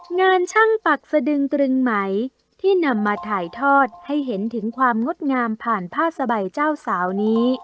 งานช่างปักสะดึงตรึงไหมที่นำมาถ่ายทอดให้เห็นถึงความงดงามผ่านผ้าสบายเจ้าสาวนี้